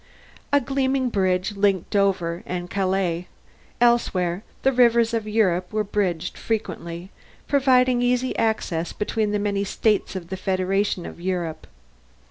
A gleaming bridge linked Dover and Calais; elsewhere, the rivers of Europe were bridged frequently, providing easy access between the many states of the Federation of Europe.